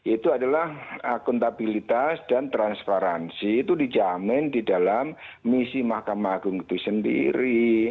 itu adalah akuntabilitas dan transparansi itu dijamin di dalam misi mahkamah agung itu sendiri